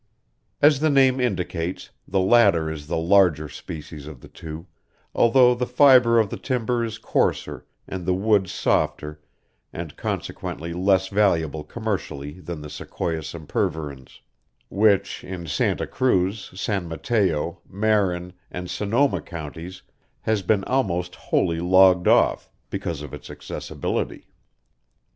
As the name indicates, the latter is the larger species of the two, although the fibre of the timber is coarser and the wood softer and consequently less valuable commercially than the sequoia sempervirens which in Santa Cruz, San Mateo, Marin, and Sonoma counties has been almost wholly logged off, because of its accessibility.